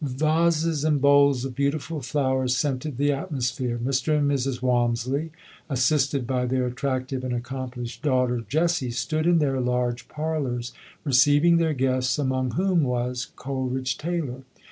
Vases and bowls of beautiful flowers scented the atmosphere. Mr. and Mrs. Walmisley, assisted by their attractive and accomplished daughter Jessie, stood in their large parlors receiving their SAMUEL COLERIDGE TAYLOR [143 guests, among whom was Coleridge Taylor.